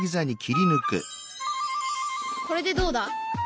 これでどうだ？